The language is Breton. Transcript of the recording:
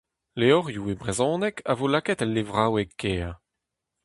Levrioù e brezhoneg a vo lakaet el levraoueg-kêr.